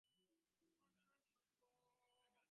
একদিনের কথা মনে পড়ছে।